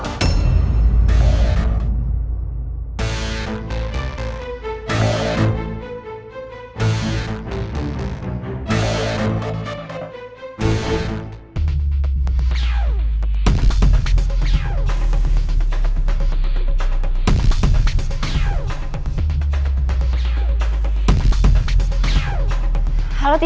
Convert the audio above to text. sampai jumpa lagi